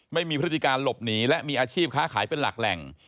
พฤติการหลบหนีและมีอาชีพค้าขายเป็นหลักแหล่ง